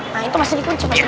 nah itu masih dikunci pak